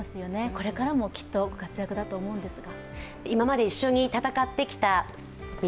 これからも、きっとご活躍だと思うんですが。